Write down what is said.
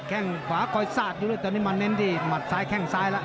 แค่งขวาคอยซากอยู่เลยตอนนี้มาเน้นที่หมัดซ้ายแข้งซ้ายแล้ว